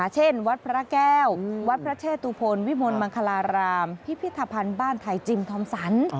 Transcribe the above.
เช่นวัดพระแก้ววัดพระเชตุพลวิมลมังคลารามพิพิธภัณฑ์บ้านไทยจิมทอมสัน